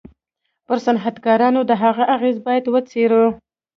پر صنعتکارانو د هغه اغېز بايد و څېړو.